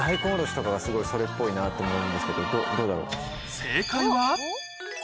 すごいそれっぽいなと思うんですけどどうだろう？